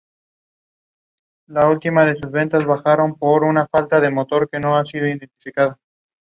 The great did much damage and reduced attendance more.